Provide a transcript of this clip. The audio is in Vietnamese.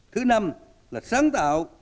thứ năm là sáng tạo